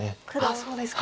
そうですか。